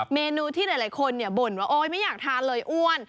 เมนูที่หลายคนบ่นว่าโอ๊ยไม่อยากทานเลยอ้วน